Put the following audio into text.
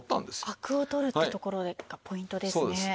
アクを取るってところがポイントですね。